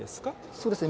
そうですね。